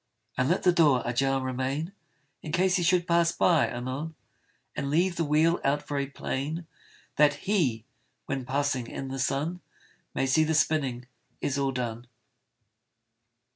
And let the door ajar remain, In case he should pass by anon; And leave the wheel out very plain, That HE, when passing in the sun, May see the spinning is all done.